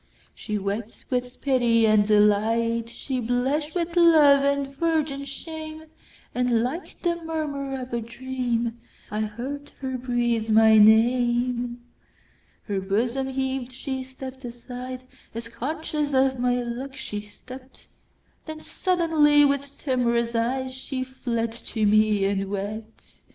She wept with pity and delight, She blush'd with love and virgin shame; And like the murmur of a dream,I heard her breathe my name. Her bosom heaved—she stepp'd aside, As conscious of my look she stept—Then suddenly, with timorous eyeShe fled to me and wept.